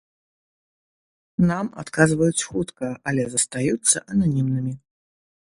Нам адказваюць хутка, але застаюцца ананімнымі.